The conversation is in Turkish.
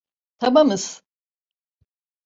Tamamız.